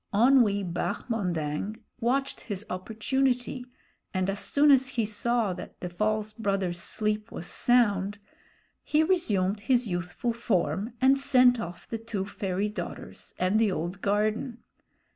Onwee Bahmondang watched his opportunity, and as soon as he saw that the false brother's sleep was sound, he resumed his youthful form and sent off the two fairy daughters and the old garden.